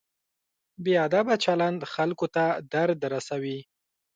بې ادبه چلند خلکو ته درد رسوي.